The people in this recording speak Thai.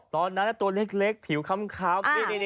ตอนนั้นตัวเล็กผิวค้ำ